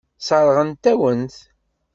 Sseṛɣent-awen-t.